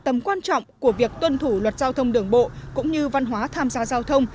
tầm quan trọng của việc tuân thủ luật giao thông đường bộ cũng như văn hóa tham gia giao thông